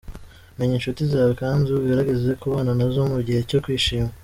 Menya inshuti zawe kandi ugerageze kubana nazo mu gihe cyo kwishima.